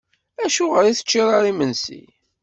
Acuɣer ur teččiḍ ara imensi?